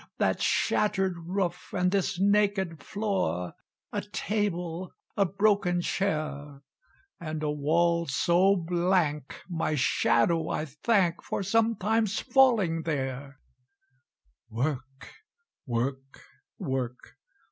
That shattered roof and this naked floor A table a broken chair And a wall so blank, my shadow I thank For sometimes falling there! "Work work work!